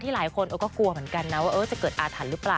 หลายคนก็กลัวเหมือนกันนะว่าจะเกิดอาถรรพ์หรือเปล่า